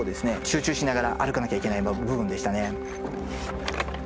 集中しながら歩かなきゃいけない部分でしたね。